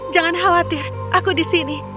jangan khawatir aku disini